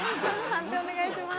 判定お願いします。